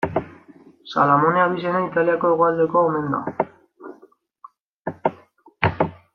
Salamone abizena Italiako hegoaldekoa omen da.